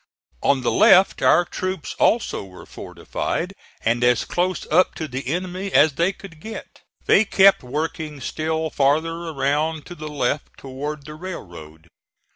On the left our troops also were fortified, and as close up to the enemy as they could get. They kept working still farther around to the left toward the railroad.